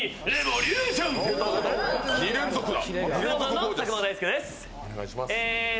２連続だ！